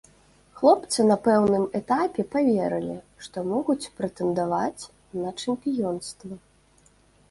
Хлопцы на пэўным этапе паверылі, што могуць прэтэндаваць на чэмпіёнства.